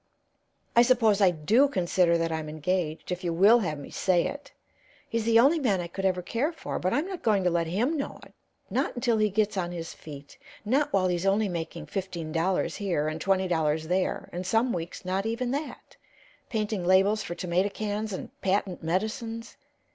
"I suppose I do consider that I'm engaged, if you will have me say it; he's the only man I could ever care for, but I'm not going to let him know it, not until he gets on his feet not while he's only making fifteen dollars here and twenty dollars there, and some weeks not even that, painting labels for tomato cans and patent medicines.